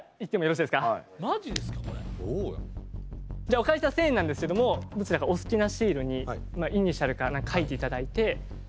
お借りした千円なんですけどもどちらかお好きなシールにイニシャルか何か書いていただいて。